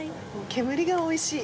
煙がおいしい。